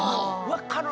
分かる。